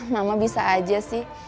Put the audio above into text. mama bisa aja sih